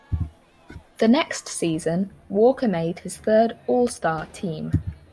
The next season, Walker made his third All-Star team.